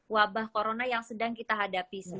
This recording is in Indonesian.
wabah corona yang sedang kita hadapi